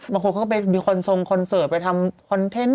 บางคนเขาก็ไปมีคอนเซอร์ทไปทำคอนเทนต์